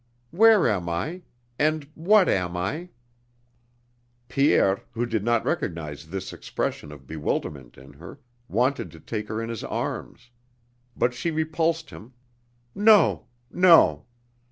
Where am I?... and what am I?" Pierre, who did not recognize this expression of bewilderment in her, wanted to take her in his arms. But she repulsed him. "No! No!"